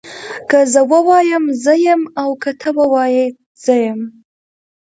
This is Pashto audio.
که زه ووایم زه يم او که ته ووايي زه يم